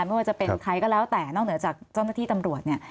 ไม่ว่าจะเป็นใครก็แล้วแต่นอกเหนือจากเจ้าหน้าที่ตำรวจเนี่ย